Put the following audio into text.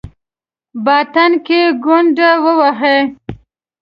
باطن کې ګونډه ووهي.